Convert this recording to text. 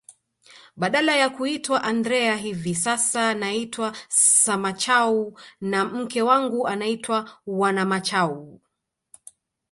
Badala ya kuitwa Andrea hivi sasa naitwa Samachau na mke wangu anaitwa Wanamachau